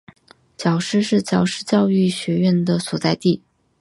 皎施是皎施教育学院的所在地。